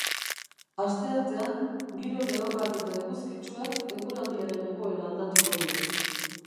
Asteartean, giro lehorrak eta eguzkitsuak eguraldiaren egoera aldatuko du.